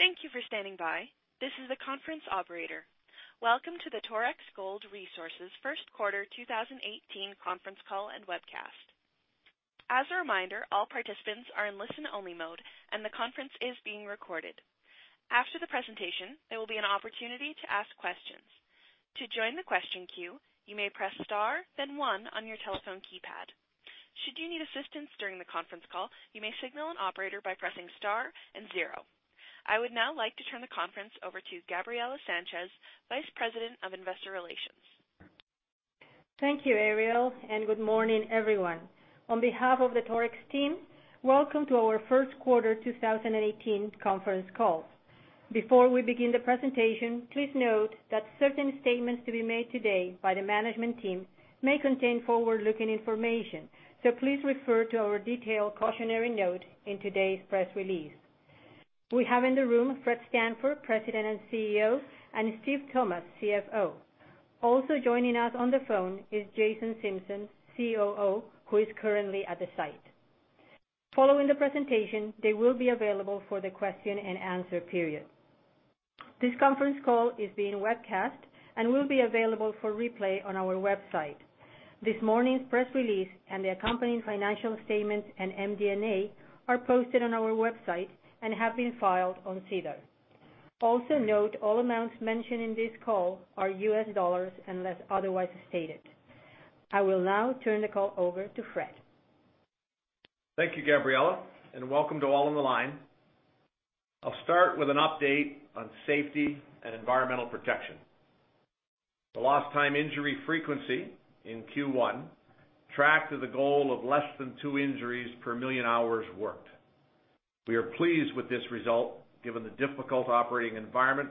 Thank you for standing by. This is the conference operator. Welcome to the Torex Gold Resources first quarter 2018 conference call and webcast. As a reminder, all participants are in listen-only mode, and the conference is being recorded. After the presentation, there will be an opportunity to ask questions. To join the question queue, you may press star then one on your telephone keypad. Should you need assistance during the conference call, you may signal an operator by pressing star and zero. I would now like to turn the conference over to Gabriela Sanchez, Vice President of Investor Relations. Thank you, Ariel, and good morning, everyone. On behalf of the Torex team, welcome to our first quarter 2018 conference call. Before we begin the presentation, please note that certain statements to be made today by the management team may contain forward-looking information. Please refer to our detailed cautionary note in today's press release. We have in the room Fred Stanford, President and CEO, and Steven Thomas, CFO. Also joining us on the phone is Jason Simpson, COO, who is currently at the site. Following the presentation, they will be available for the question and answer period. This conference call is being webcast and will be available for replay on our website. This morning's press release and the accompanying financial statements and MD&A are posted on our website and have been filed on SEDAR. Also note all amounts mentioned in this call are US dollars unless otherwise stated. I will now turn the call over to Fred. Thank you, Gabriela, and welcome to all on the line. I'll start with an update on safety and environmental protection. The lost time injury frequency in Q1 tracked to the goal of less than two injuries per million hours worked. We are pleased with this result, given the difficult operating environment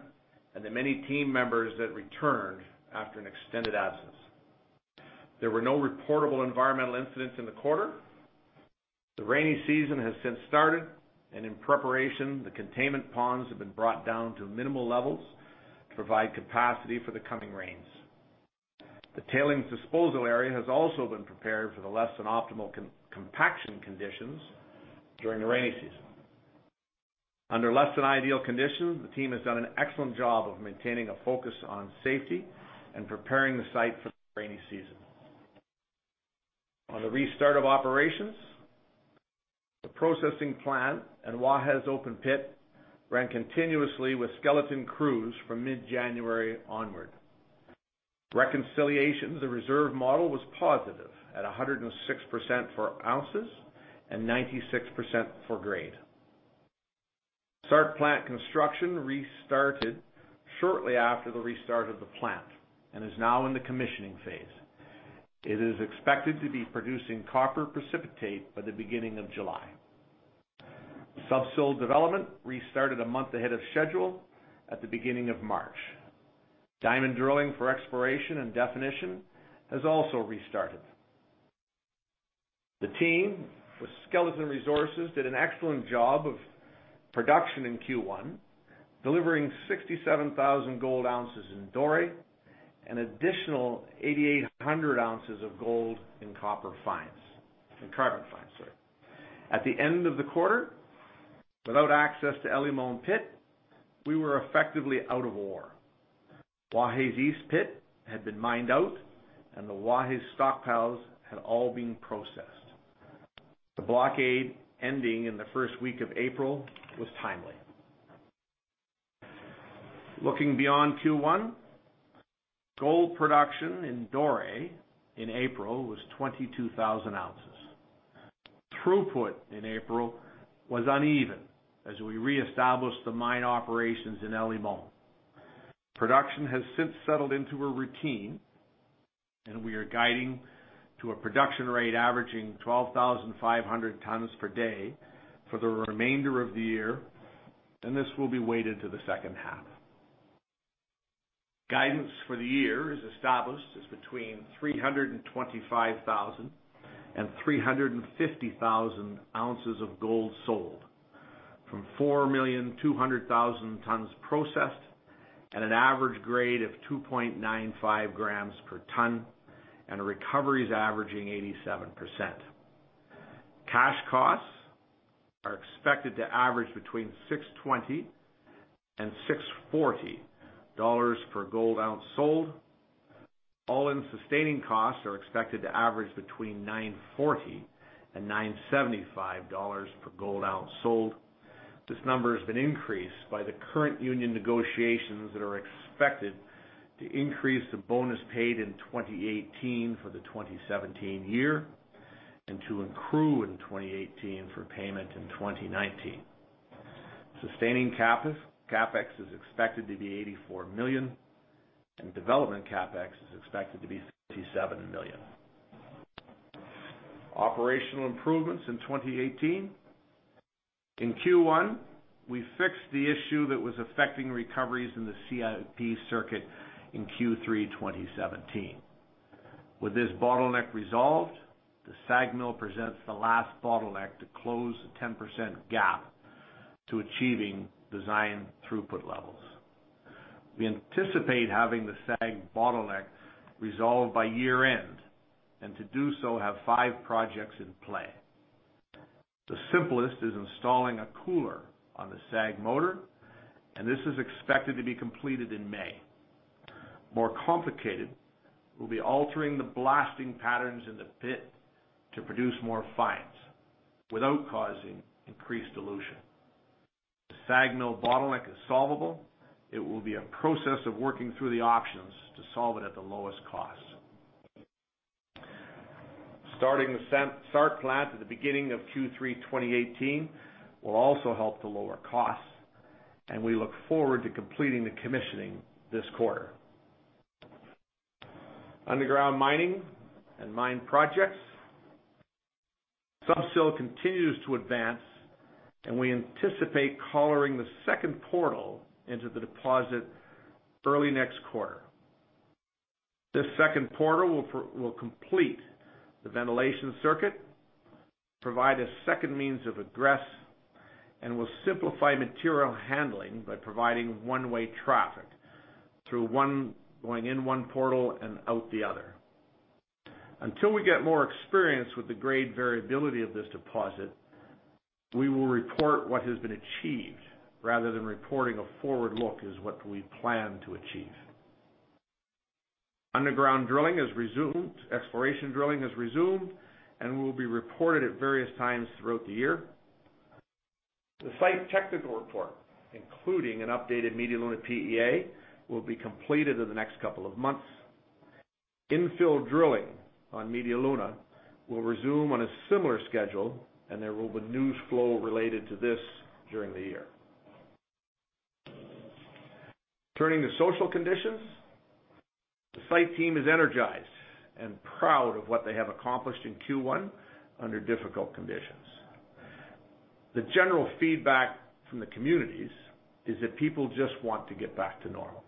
and the many team members that returned after an extended absence. There were no reportable environmental incidents in the quarter. The rainy season has since started, and in preparation, the containment ponds have been brought down to minimal levels to provide capacity for the coming rains. The tailings disposal area has also been prepared for the less than optimal compaction conditions during the rainy season. Under less than ideal conditions, the team has done an excellent job of maintaining a focus on safety and preparing the site for the rainy season. On the restart of operations, the processing plant and Guajes open pit ran continuously with skeleton crews from mid-January onward. Reconciliation of the reserve model was positive at 106% for ounces and 96% for grade. SART plant construction restarted shortly after the restart of the plant and is now in the commissioning phase. It is expected to be producing copper precipitate by the beginning of July. Sub-Sill development restarted a month ahead of schedule at the beginning of March. Diamond drilling for exploration and definition has also restarted. The team with skeleton resources did an excellent job of production in Q1, delivering 67,000 gold ounces in doré and additional 8,800 ounces of gold in carbon fines. At the end of the quarter, without access to El Limon pit, we were effectively out of ore. Guajes East pit had been mined out, and the Waha stockpiles had all been processed. The blockade ending in the first week of April was timely. Looking beyond Q1, gold production in doré in April was 22,000 ounces. Throughput in April was uneven as we reestablished the mine operations in El Limon. Production has since settled into a routine. We are guiding to a production rate averaging 12,500 tons per day for the remainder of the year, and this will be weighted to the second half. Guidance for the year is established as between 325,000 and 350,000 ounces of gold sold from 4,200,000 tons processed at an average grade of 2.95 grams per ton and recoveries averaging 87%. Cash costs are expected to average between $620 and $640 per gold ounce sold. All-in sustaining costs are expected to average between $940 and $975 per gold ounce sold. This number has been increased by the current union negotiations that are expected to increase the bonus paid in 2018 for the 2017 year and to accrue in 2018 for payment in 2019. Sustaining CapEx is expected to be $84 million. Development CapEx is expected to be $67 million. Operational improvements in 2018. In Q1, we fixed the issue that was affecting recoveries in the CIP circuit in Q3 2017. With this bottleneck resolved, the SAG mill presents the last bottleneck to close the 10% gap to achieving design throughput levels. We anticipate having the SAG bottleneck resolved by year-end. To do so have five projects in play. The simplest is installing a cooler on the SAG motor, and this is expected to be completed in May. More complicated will be altering the blasting patterns in the pit to produce more fines without causing increased dilution. The SAG mill bottleneck is solvable. It will be a process of working through the options to solve it at the lowest cost. Starting the SART plant at the beginning of Q3 2018 will also help to lower costs. We look forward to completing the commissioning this quarter. Underground mining and mine projects. Sub-Sill continues to advance. We anticipate collaring the second portal into the deposit early next quarter. This second portal will complete the ventilation circuit, provide a second means of egress. It will simplify material handling by providing one-way traffic going in one portal and out the other. Until we get more experience with the grade variability of this deposit, we will report what has been achieved rather than reporting a forward look as what we plan to achieve. Underground drilling has resumed. Exploration drilling has resumed and will be reported at various times throughout the year. The site technical report, including an updated Media Luna PEA, will be completed in the next couple of months. Infill drilling on Media Luna will resume on a similar schedule, and there will be news flow related to this during the year. Turning to social conditions. The site team is energized and proud of what they have accomplished in Q1 under difficult conditions. The general feedback from the communities is that people just want to get back to normal.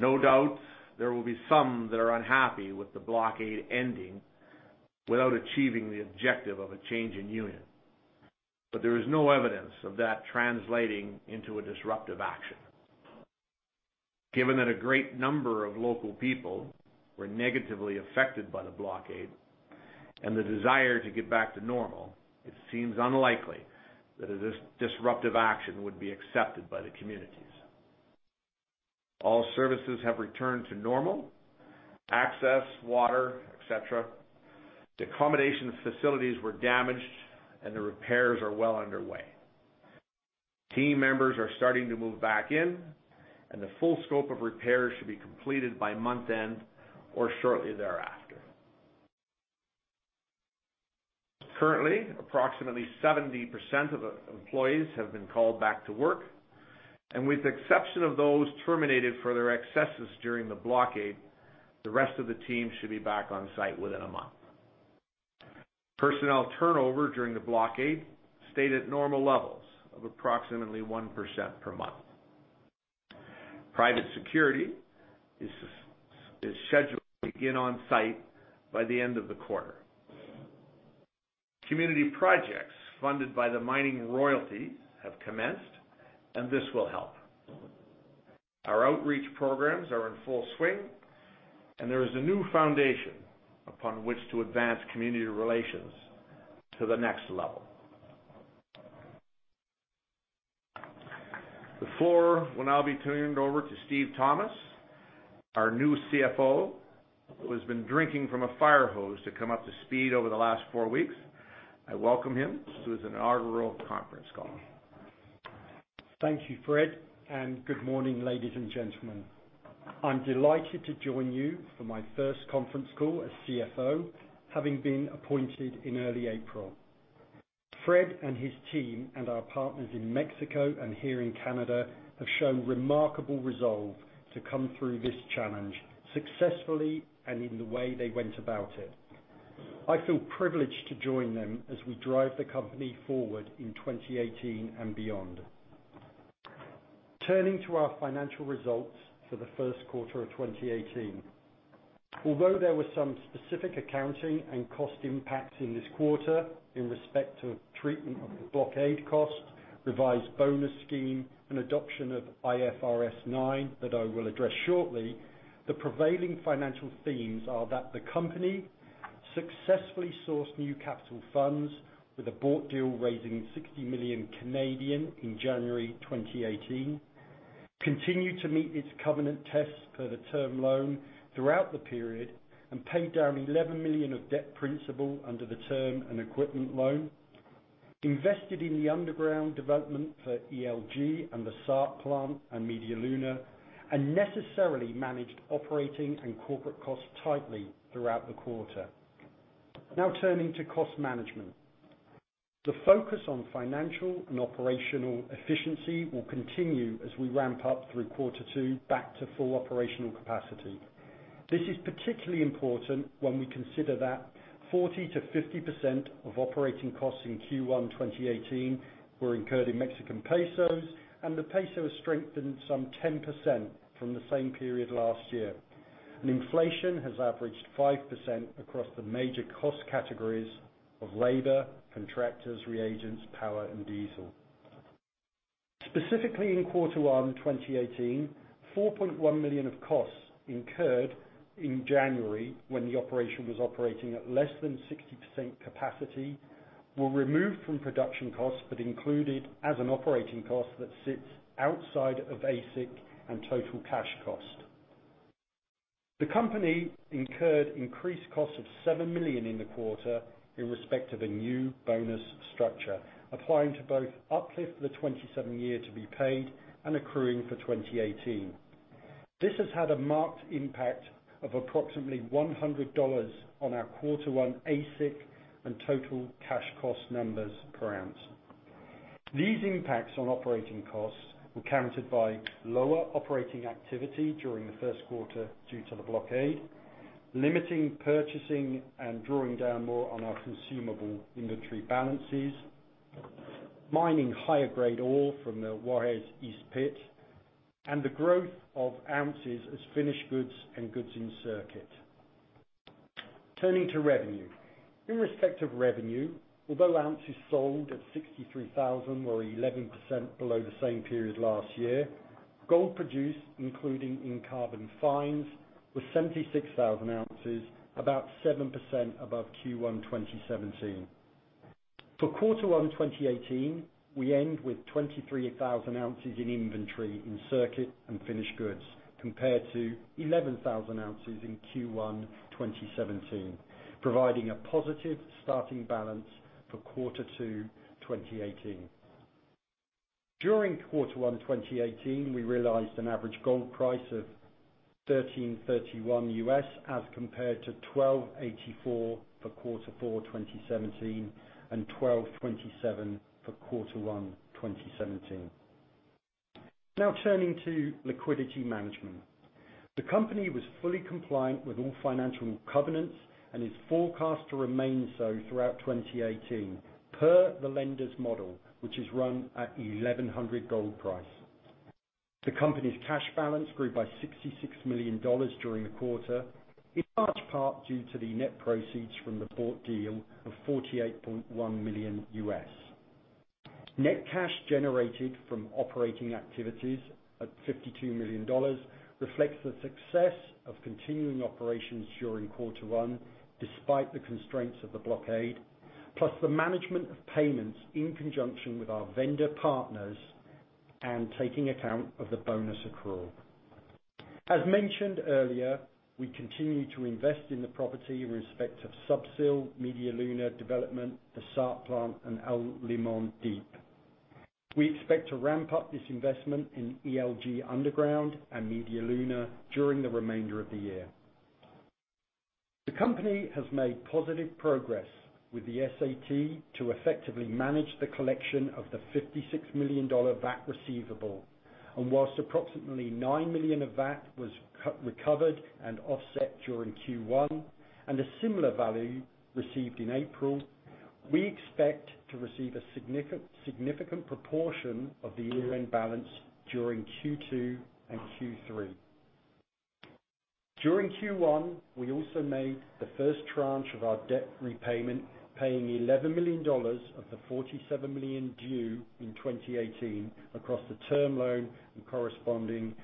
No doubt, there will be some that are unhappy with the blockade ending without achieving the objective of a change in union, but there is no evidence of that translating into a disruptive action. Given that a great number of local people were negatively affected by the blockade and the desire to get back to normal, it seems unlikely that a disruptive action would be accepted by the communities. All services have returned to normal; access, water, et cetera. The accommodation facilities were damaged, and the repairs are well underway. Team members are starting to move back in, and the full scope of repairs should be completed by month-end or shortly thereafter. Currently, approximately 70% of employees have been called back to work, and with the exception of those terminated for their excesses during the blockade, the rest of the team should be back on site within one month. Personnel turnover during the blockade stayed at normal levels of approximately 1% per month. Private security is scheduled to begin on site by the end of the quarter. Community projects funded by the mining royalty have commenced, and this will help. Our outreach programs are in full swing, and there is a new foundation upon which to advance community relations to the next level. The floor will now be turned over to Steven Thomas, our new CFO, who has been drinking from a fire hose to come up to speed over the last four weeks. I welcome him to his inaugural conference call. Thank you, Fred, and good morning, ladies and gentlemen. I am delighted to join you for my first conference call as CFO, having been appointed in early April. Fred and his team and our partners in Mexico and here in Canada have shown remarkable resolve to come through this challenge successfully and in the way they went about it. I feel privileged to join them as we drive the company forward in 2018 and beyond. Turning to our financial results for the first quarter of 2018. Although there were some specific accounting and cost impacts in this quarter in respect of treatment of the blockade cost, revised bonus scheme, and adoption of IFRS 9 that I will address shortly, the prevailing financial themes are that the company successfully sourced new capital funds with a bought deal raising 60 million in January 2018, continued to meet its covenant tests per the term loan throughout the period, paid down $11 million of debt principal under the term and equipment loan, invested in the underground development for ELG and the SART plant and Media Luna, and necessarily managed operating and corporate costs tightly throughout the quarter. Now turning to cost management. The focus on financial and operational efficiency will continue as we ramp up through quarter two back to full operational capacity. This is particularly important when we consider that 40%-50% of operating costs in Q1 2018 were incurred in Mexican pesos, the peso has strengthened some 10% from the same period last year. Inflation has averaged 5% across the major cost categories of labor, contractors, reagents, power, and diesel. Specifically in quarter one 2018, $4.1 million of costs incurred in January when the operation was operating at less than 60% capacity were removed from production costs, but included as an operating cost that sits outside of AISC and total cash cost. The company incurred increased costs of $7 million in the quarter in respect of a new bonus structure, applying to both uplift for the 2017 year to be paid and accruing for 2018. This has had a marked impact of approximately $100 on our quarter one AISC and total cash cost numbers per ounce. These impacts on operating costs were countered by lower operating activity during the first quarter due to the blockade, limiting purchasing, and drawing down more on our consumable inventory balances, mining higher grade ore from the Guajes East pit, and the growth of ounces as finished goods and goods in circuit. Turning to revenue. In respect of revenue, although ounces sold at 63,000 or 11% below the same period last year, gold produced, including in carbon fines, was 76,000 ounces, about 7% above Q1 2017. For quarter one 2018, we end with 23,000 ounces in inventory in circuit and finished goods, compared to 11,000 ounces in Q1 2017, providing a positive starting balance for quarter two 2018. During quarter one 2018, we realized an average gold price of $1,331 as compared to $1,284 for quarter four 2017 and $1,227 for quarter one 2017. Now turning to liquidity management. The company was fully compliant with all financial covenants and is forecast to remain so throughout 2018, per the lenders' model, which is run at $1,100 gold price. The company's cash balance grew by $66 million during the quarter, in large part due to the net proceeds from the bought deal of $48.1 million. Net cash generated from operating activities at $52 million reflects the success of continuing operations during quarter one, despite the constraints of the blockade, plus the management of payments in conjunction with our vendor partners and taking account of the bonus accrual. As mentioned earlier, we continue to invest in the property in respect of Sub-Sill Media Luna development, the SART plant, and El Limon deep. We expect to ramp up this investment in ELG underground and Media Luna during the remainder of the year. The company has made positive progress with the SAT to effectively manage the collection of the $56 million VAT receivable. Whilst approximately $9 million of VAT was recovered and offset during Q1, and a similar value received in April, we expect to receive a significant proportion of the year-end balance during Q2 and Q3. During Q1, we also made the first tranche of our debt repayment, paying $11 million of the $47 million due in 2018 across the term loan and corresponding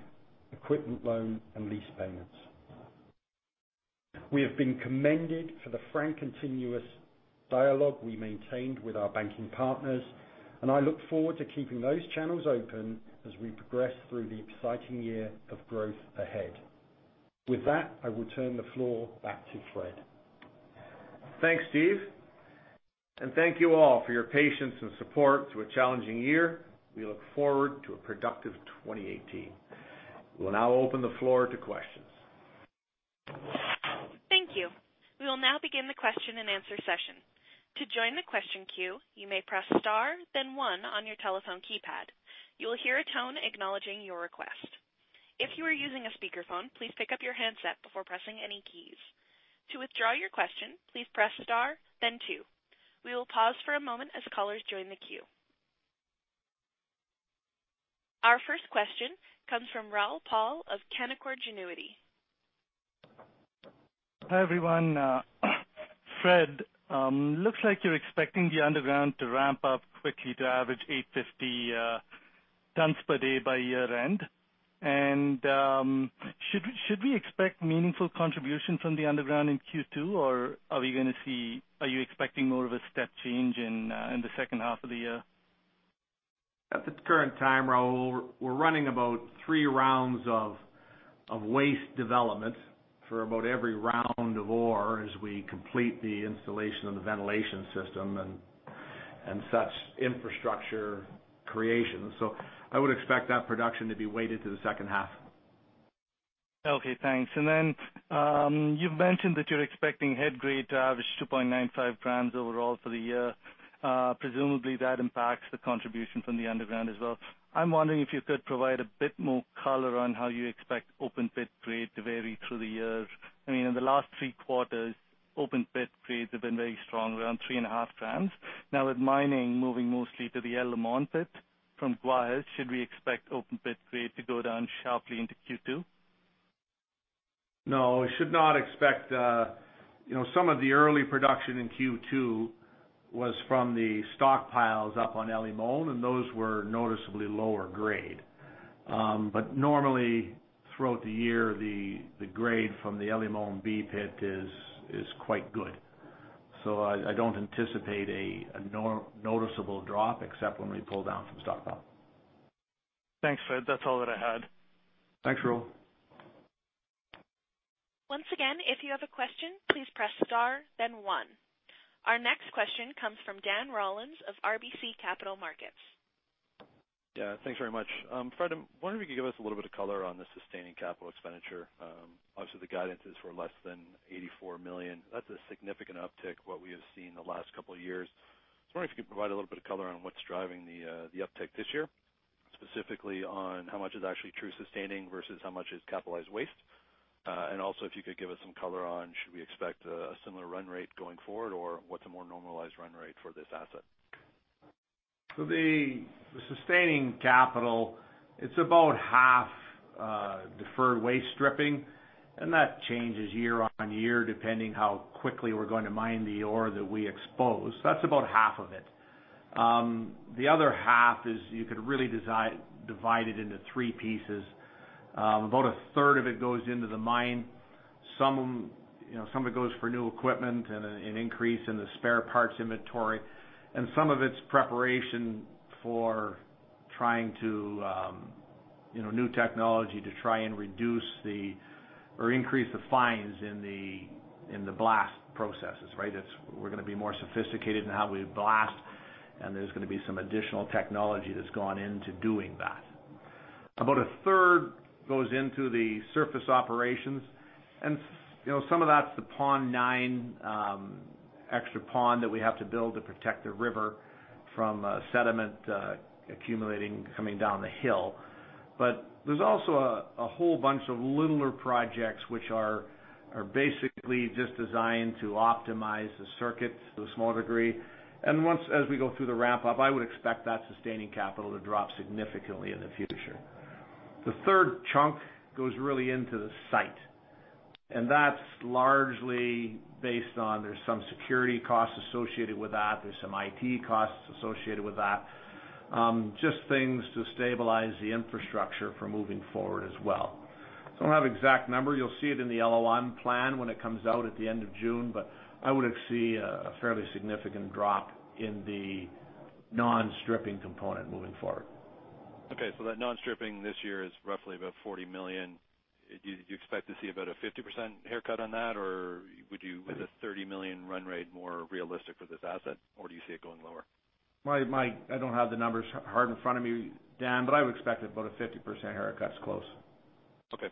equipment loan and lease payments. We have been commended for the frank, continuous dialogue we maintained with our banking partners. I look forward to keeping those channels open as we progress through the exciting year of growth ahead. With that, I will turn the floor back to Fred. Thanks, Steve. Thank you all for your patience and support through a challenging year. We look forward to a productive 2018. We'll now open the floor to questions. Thank you. We will now begin the question and answer session. To join the question queue, you may press star then one on your telephone keypad. You will hear a tone acknowledging your request. If you are using a speakerphone, please pick up your handset before pressing any keys. To withdraw your question, please press star then two. We will pause for a moment as callers join the queue. Our first question comes from Rahul Paul of Canaccord Genuity. Hi, everyone. Fred, looks like you're expecting the underground to ramp up quickly to average 850 tons per day by year-end. Should we expect meaningful contribution from the underground in Q2, or are you expecting more of a step change in the second half of the year? At the current time, Rahul, we're running about three rounds of waste development for about every round of ore as we complete the installation of the ventilation system and such infrastructure creation. I would expect that production to be weighted to the second half. Okay, thanks. You've mentioned that you're expecting head grade to average 2.95 grams overall for the year. Presumably, that impacts the contribution from the underground as well. I'm wondering if you could provide a bit more color on how you expect open pit grade to vary through the years. In the last three quarters, open pit grades have been very strong, around three and a half grams. With mining moving mostly to the El Limon pit from Guajes, should we expect open pit grade to go down sharply into Q2? No, should not expect. Some of the early production in Q2 was from the stockpiles up on El Limon, and those were noticeably lower grade. Normally, throughout the year, the grade from the El Limon B pit is quite good. I don't anticipate a noticeable drop except when we pull down from stockpile. Thanks, Fred. That's all that I had. Thanks, Rahul. Once again, if you have a question, please press star, then one. Our next question comes from Dan Rollins of RBC Capital Markets. Yeah. Thanks very much. Fred, I'm wondering if you could give us a little bit of color on the sustaining capital expenditure. Obviously, the guidance is for less than $84 million. That's a significant uptick, what we have seen the last couple of years. I was wondering if you could provide a little bit of color on what's driving the uptick this year, specifically on how much is actually true sustaining versus how much is capitalized waste. Also, if you could give us some color on should we expect a similar run rate going forward, or what's a more normalized run rate for this asset? The sustaining capital, it's about half deferred waste stripping, and that changes year on year depending how quickly we're going to mine the ore that we expose. That's about half of it. The other half is you could really divide it into three pieces. About a third of it goes into the mine. Some of it goes for new equipment and an increase in the spare parts inventory. Some of it's preparation for new technology to try and increase the fines in the blast processes, right. We're going to be more sophisticated in how we blast, and there's going to be some additional technology that's gone into doing that. About a third goes into the surface operations, some of that's the Pond 9 extra pond that we have to build to protect the river from sediment accumulating coming down the hill. There's also a whole bunch of littler projects which are basically just designed to optimize the circuits to a small degree. As we go through the ramp up, I would expect that sustaining capital to drop significantly in the future. The third chunk goes really into the site, and that's largely based on there's some security costs associated with that, there's some IT costs associated with that. Just things to stabilize the infrastructure for moving forward as well. I don't have exact number. You'll see it in the LOM plan when it comes out at the end of June, I would see a fairly significant drop in the non-stripping component moving forward. That non-stripping this year is roughly about $40 million. Do you expect to see about a 50% haircut on that, or would you with a $30 million run rate more realistic for this asset? Do you see it going lower? I don't have the numbers hard in front of me, Dan, I would expect about a 50% haircut's close.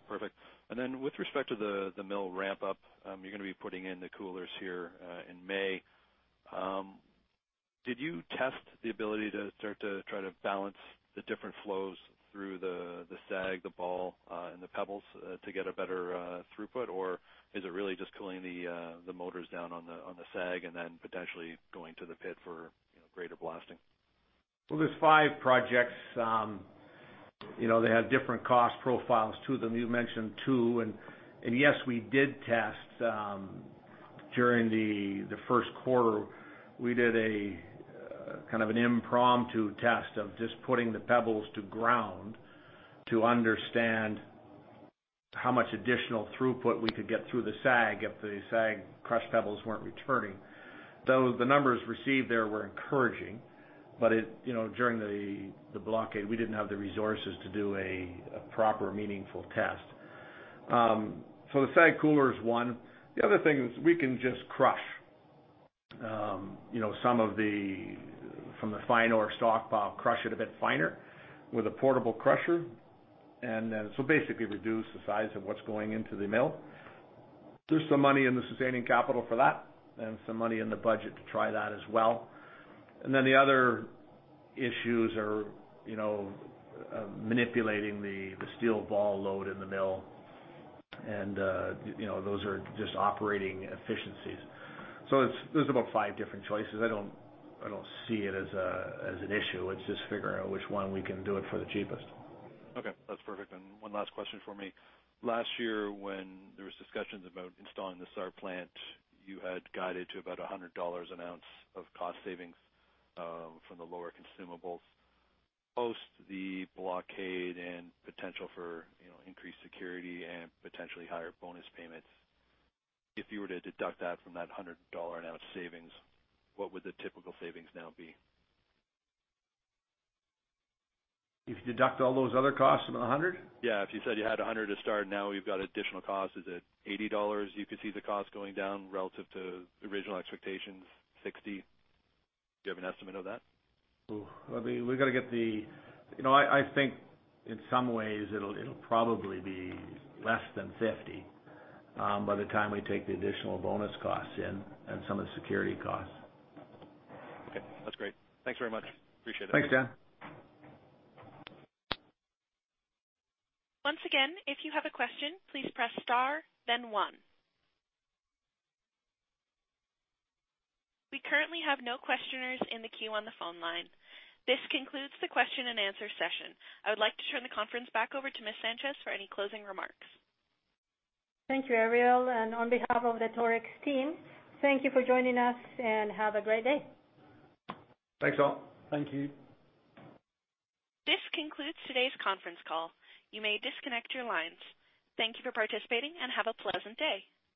Perfect. Then with respect to the mill ramp up, you're going to be putting in the coolers here in May. Did you test the ability to start to try to balance the different flows through the SAG, the ball, and the pebbles to get a better throughput? Is it really just cooling the motors down on the SAG and then potentially going to the pit for greater blasting? Well, there's five projects. They have different cost profiles to them. You mentioned two, and yes, we did test during the first quarter, we did a kind of an impromptu test of just putting the pebbles to ground to understand how much additional throughput we could get through the SAG if the SAG crush pebbles weren't returning. Though the numbers received there were encouraging, but during the blockade, we didn't have the resources to do a proper, meaningful test. The SAG cooler is one. The other thing is we can just crush some from the finer stockpile, crush it a bit finer with a portable crusher, and then basically reduce the size of what's going into the mill. There's some money in the sustaining capital for that and some money in the budget to try that as well. The other issues are manipulating the steel ball load in the mill, and those are just operating efficiencies. There's about five different choices. I don't see it as an issue. It's just figuring out which one we can do it for the cheapest. Okay, that's perfect. One last question for me. Last year, when there was discussions about installing the SART plant, you had guided to about $100 an ounce of cost savings from the lower consumables. Post the blockade and potential for increased security and potentially higher bonus payments, if you were to deduct that from that $100 an ounce savings, what would the typical savings now be? If you deduct all those other costs from the $100? Yeah. If you said you had 100 to start, now you've got additional costs, is it $80 you could see the cost going down relative to original expectations, 60? Do you have an estimate of that? Ooh. I think in some ways it'll probably be less than 50 by the time we take the additional bonus costs in and some of the security costs. Okay. That's great. Thanks very much. Appreciate it. Thanks, Dan. Once again, if you have a question, please press star then one. We currently have no questioners in the queue on the phone line. This concludes the question and answer session. I would like to turn the conference back over to Ms. Sanchez for any closing remarks. Thank you, Ariel, and on behalf of the Torex team, thank you for joining us and have a great day. Thanks all. Thank you. This concludes today's conference call. You may disconnect your lines. Thank you for participating and have a pleasant day.